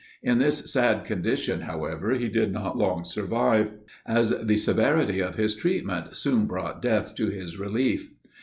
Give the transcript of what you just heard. In this sad condition, however, he did not long survive, as the severity of his treatment soon brought death to his relief.